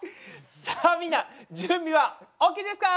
さあみんな準備はＯＫですか？